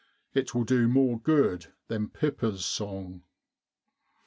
It will do more good than Pippa's song."